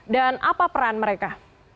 dan apa peran mereka